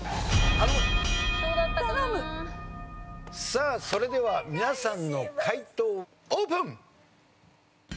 さあそれでは皆さんの解答オープン！